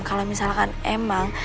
kalau misalkan emang